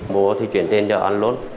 mua thì chuyển tiền cho anh luôn